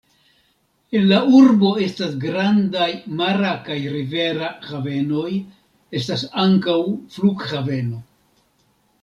En la urbo estas grandaj mara kaj rivera havenoj; estas ankaŭ flughaveno.